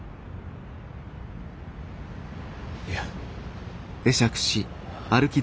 いや。